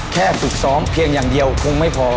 ฝึกซ้อมเพียงอย่างเดียวคงไม่พอ